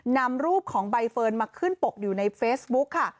นำรูปของใบเฟิร์นมาขึ้นปกอยู่ในเฟซบุ๊คค่ะ